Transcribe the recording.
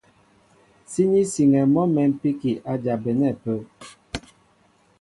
Síní siŋɛ mɔ́ mɛ̌mpíki a jabɛnɛ́ ápə́.